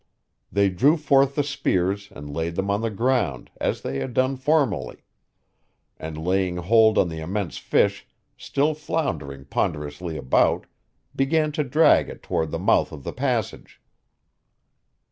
They drew forth the spears and laid them on the ground, as they had done formerly; and, laying hold on the immense fish, still floundering ponderously about, began to drag it toward the mouth of the passage.